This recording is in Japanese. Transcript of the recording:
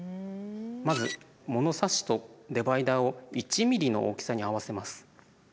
まずものさしとデバイダーを１ｍｍの大きさに合わせます。